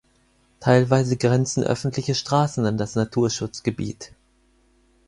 Teilweise grenzen öffentliche Straßen an das Naturschutzgebiet.